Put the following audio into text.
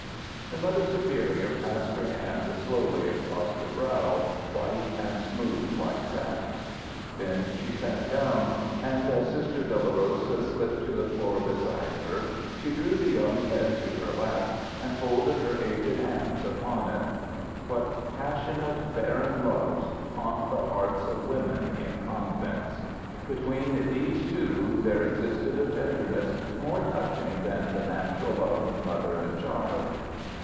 The Mother Superior passed her hand slowly across the brow, white and smooth like satin. Then she sat down, and as Sister Dolorosa slipped to the floor beside her she drew the young head to her lap and folded her aged hands upon it. What passionate, barren loves haunt the hearts of women in convents! Between these two there existed a tenderness more touching than the natural love of mother and child.